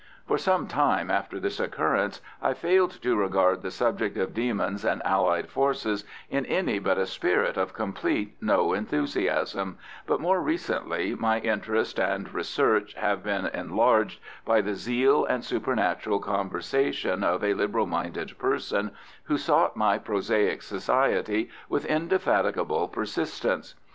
For some time after this occurrence I failed to regard the subject of demons and allied Forces in any but a spirit of complete no enthusiasm, but more recently my interest and research have been enlarged by the zeal and supernatural conversation of a liberal minded person who sought my prosaic society with indefatigable persistence.